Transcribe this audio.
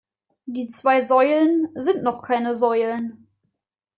Die zwei Säulen sind noch keine Säulen.